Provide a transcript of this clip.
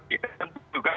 itu harus disaksikan